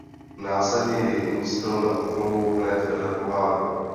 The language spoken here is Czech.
Následně jej umístil na oblohu hned vedle Poháru.